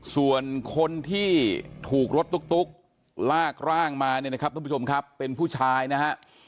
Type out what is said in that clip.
ส่วนคนที่ถูกรถตุ๊กลากร่างมาทุกผู้ชมครับเป็นผู้ชายนะฮะ